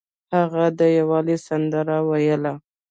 هغه د یووالي سندره ویله.